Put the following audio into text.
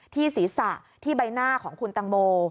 ที่ศีรษะที่ใบหน้าของคุณตังโม